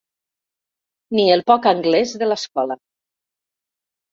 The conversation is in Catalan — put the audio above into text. Ni el poc anglès de l'escola.